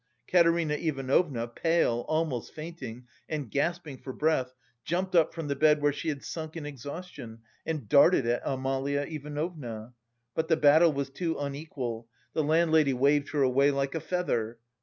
Katerina Ivanovna, pale, almost fainting, and gasping for breath, jumped up from the bed where she had sunk in exhaustion and darted at Amalia Ivanovna. But the battle was too unequal: the landlady waved her away like a feather.